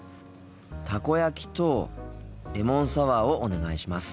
たこ焼きとレモンサワーをお願いします。